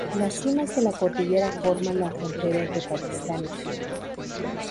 Las cimas de la cordillera forman la frontera entre Pakistán y china.